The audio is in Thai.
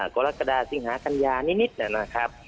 กรกฎาสิงหากัญญานิดนะครับ